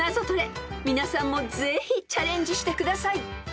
［皆さんもぜひチャレンジしてください］